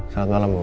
selamat malam bu